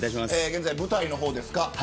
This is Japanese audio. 現在、舞台の方ですか。